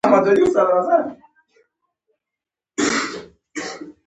د ژبې پرمختګ یوازې په ګډ کار کېږي.